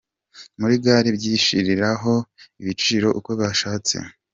Muri Gare bishyiriraho ibiciro uko bashatse